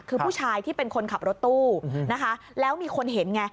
คือผู้ชายที่เป็นคนขับรถตู้นะคะแล้วมีคนเห็นไง